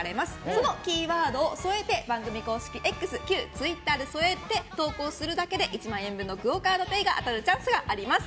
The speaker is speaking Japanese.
そのキーワードを添えて番組Ｘ旧ツイッターで投稿するだけで１万円分のＱＵＯカードＰａｙが当たるチャンスがあります